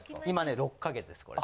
今ね６か月です。